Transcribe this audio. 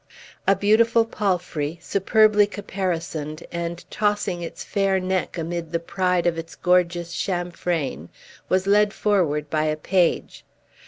A beautiful palfrey, superbly caparisoned, and tossing its fair neck amid the pride of its gorgeous chamfraine, was led forward by a page.